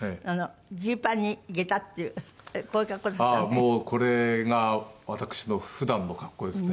もうこれが私の普段の格好ですね。